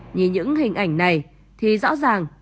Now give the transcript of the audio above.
nhìn những hình ảnh này thì rõ ràng